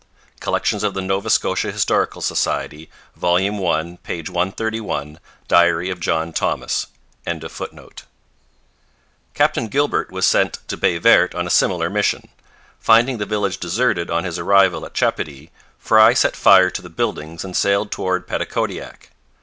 Collections of the Nova Scotia Historical Society, vol. i, p. 131. Diary of John Thomas.] Captain Gilbert was sent to Baie Verte on a similar mission. Finding the village deserted on his arrival at Chepody, Frye set fire to the buildings and sailed toward Petitcodiac.